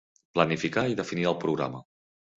Planificar i definir el programa.